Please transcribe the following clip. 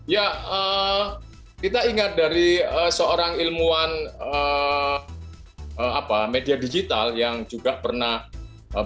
ya kita ingat dari seorang ilmuwan media digital yang juga pernah berpikir